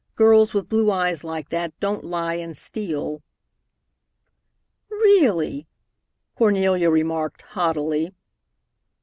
Girls with blue eyes like that don't lie and steal." "Really!" Cornelia remarked haughtily.